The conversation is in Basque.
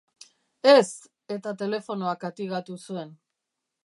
Ez!, eta telefonoa katigatu zuen.